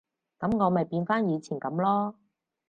噉我咪變返以前噉囉